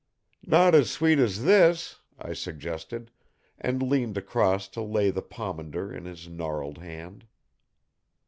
"Not as sweet as this?" I suggested, and leaned across to lay the pomander in his gnarled hand.